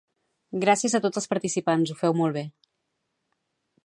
Gràcies a tots els participants ho feu molt bé